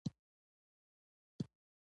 ویده وجود آرام احساسوي